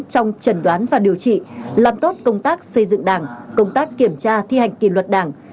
trong trần đoán và điều trị làm tốt công tác xây dựng đảng công tác kiểm tra thi hành kỷ luật đảng